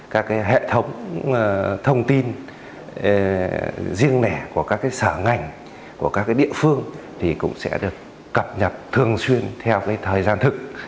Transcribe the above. các hệ thống thông tin riêng lẻ của các sở ngành của các địa phương thì cũng sẽ được cập nhật thường xuyên theo thời gian thực